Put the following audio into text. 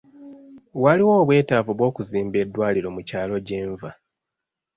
Waliwo obwetaavu bw'okuzimba eddwaliro mu kyalo gye nva.